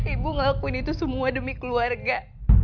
ibu ngakuin itu semua demi keluarga